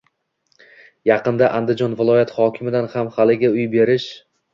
Yaqinda Andijon viloyati hokimidan ham haligi uy berish